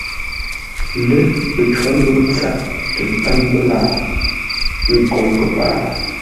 Lə́, pəcó ghəpə́ tsâr tə ntáŋ məlaa, ə́ nkǒŋ kəpaa.